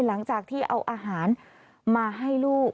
หลังจากที่เอาอาหารมาให้ลูก